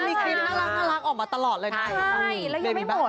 มีคลิปน่ารักออกมาตลอดเลย